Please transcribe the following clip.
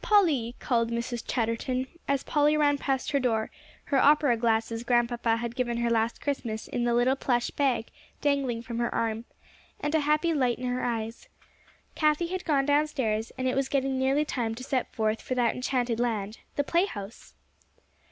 "Polly," called Mrs. Chatterton, as Polly ran past her door, her opera glasses Grandpapa had given her last Christmas in the little plush bag dangling from her arm, and a happy light in her eyes. Cathie had gone downstairs, and it was getting nearly time to set forth for that enchanted land the playhouse!